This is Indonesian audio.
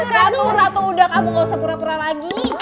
ratu ratu udah kamu gak usah pura pura lagi